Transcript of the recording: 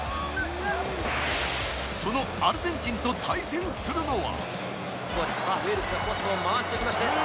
そのアルゼンチンと対戦するのは。